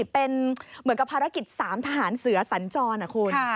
เป็นเหมือนกับภารกิจ๓ทหารเสือสัญจรนะคุณ